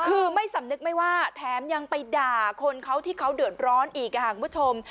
คือไม่สำนึกไม่ว่าแถมยังไปด่าคนเขาที่เขาเดือดร้อนอีกค่ะคุณผู้ชม